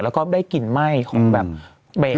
แล้วก็ได้กลิ่นไหม้ของแบบเบรก